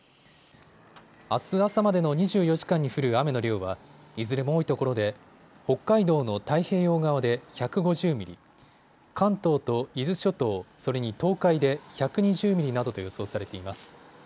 あす朝までの２４時間に降る雨の量はいずれも多いところで北海道の太平洋側で１５０ミリ、関東と伊豆諸島、それに東海で１２０ミリなどと予想されています。